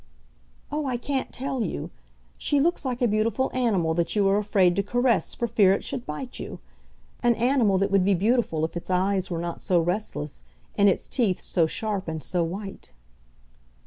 "Oh, I can't tell you. She looks like a beautiful animal that you are afraid to caress for fear it should bite you; an animal that would be beautiful if its eyes were not so restless, and its teeth so sharp and so white."